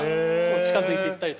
近づいていったりとか。